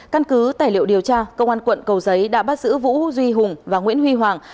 căn cứ tài liệu điều tra công an quận cầu giấy đã bắt giữ vũ duy hùng và nguyễn huy hoàng